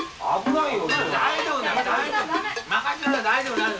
大丈夫。